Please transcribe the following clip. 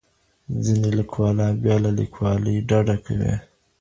ځینې لیکوالان بیا له لیکوالۍ ډډه کوي.